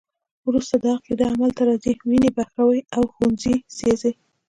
وروسته دا عقیده عمل ته راځي، وینې بهوي او ښوونځي سیزي.